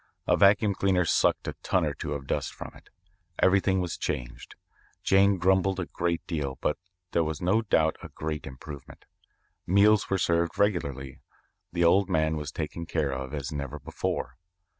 A vacuum cleaner sucked a ton or two of dust from it. Everything was changed. Jane grumbled a great deal, but there was no doubt a great improvement. Meals were served regularly. The old man was taken care of as never before.